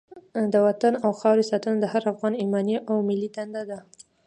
د وطن او خاورې ساتنه د هر افغان ایماني او ملي دنده ده.